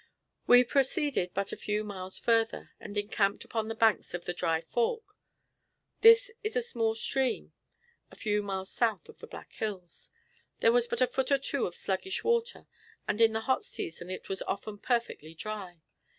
We proceeded but a few miles further, and encamped upon the banks of the Dry Fork. This is a small stream, a few miles south of the Black Hills. There was but a foot or two of sluggish water, and in the hot season it was often perfectly dry.